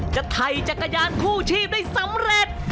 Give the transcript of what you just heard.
จะไถ่จักรยานคู่ชีพได้สำเร็จ